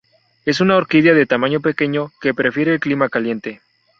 Es una orquídea de tamaño pequeño, que prefiere el clima caliente.